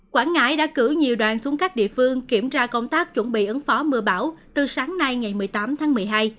quảng ngãi đã cử nhiều đoàn xuống các địa phương kiểm tra công tác chuẩn bị ứng phó mưa bão từ sáng nay ngày một mươi tám tháng một mươi hai